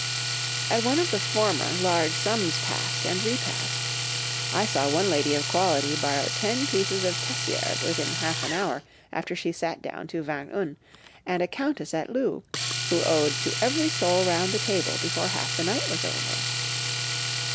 At one of the former large sums passed and repassed. I saw one lady of quality borrow ten pieces of Tessier within half an hour after she sat down to vingt une, and a countess at loo, who owed to every soul round the table before half the night was over.